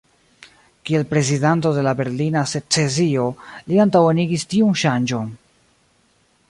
Kiel prezidanto de la Berlina secesio li antaŭenigis tiun ŝanĝon.